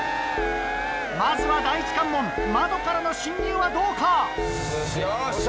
まずは第１関門窓からの侵入はどうか？